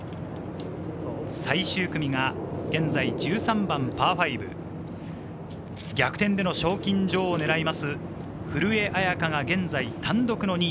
最終組が現在１３番、パー５。逆転で賞金女王を狙います、古江彩佳が現在、単独２位。